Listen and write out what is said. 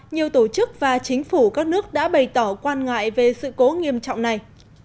nhiều tổ chức và chính phủ các nước đã bày tỏ quan ngại về sự cố nghiêm trọng này